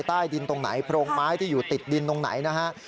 ใต้ดินตรงไหนโพรงไม้ที่อยู่ติดดินตรงไหนนะฮะ